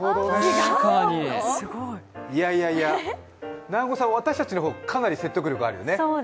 いやいやいや、南後さん、私たちの方かなり説得力あるよね。